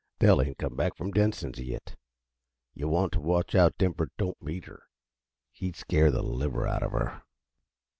Dell ain't come back from Denson's yit. Yuh want t' watch out Denver don't meet her he'd scare the liver out uh her."